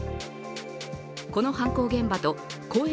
この犯行現場と公園